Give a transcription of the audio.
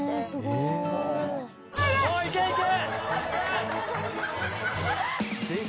いけいけ！